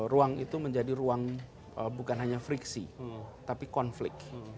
ruang itu menjadi ruang bukan hanya friksi tapi konflik